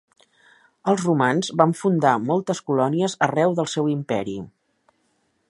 Els romans van fundar moltes colònies arreu del seu imperi.